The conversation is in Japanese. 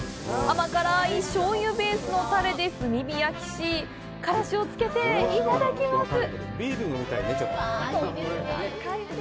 甘辛い醤油ベースのタレで炭火焼きし、からしをつけていただきます。